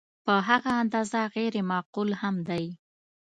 په هغه اندازه غیر معقول هم دی.